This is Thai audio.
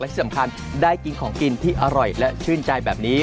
ที่สำคัญได้กินของกินที่อร่อยและชื่นใจแบบนี้